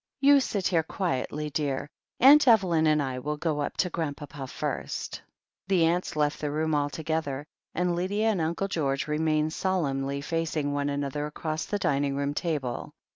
''You sit here quietly, dear. Aunt Evel)m and I will go up to Grandpapa first" The aunts left the room together, and Lydia and Uncle George remained solemnly facing one another across the dining room table.